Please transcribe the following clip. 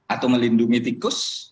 atau melindungi tikus